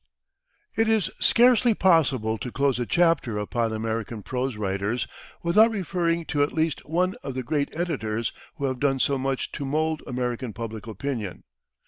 It is scarcely possible to close a chapter upon American prose writers without referring to at least one of the great editors who have done so much to mould American public opinion.